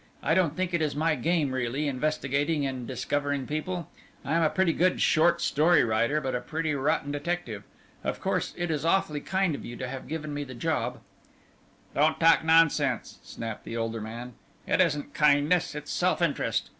I don't think it is my game really investigating and discovering people. I'm a pretty good short story writer but a pretty rotten detective. Of course, it is awfully kind of you to have given me the job " "Don't talk nonsense," snapped the older man. "It isn't kindness it's self interest.